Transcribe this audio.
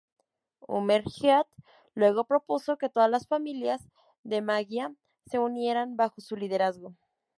Hammerhead luego propuso que todas las "familias" de Maggia se unieran bajo su liderazgo.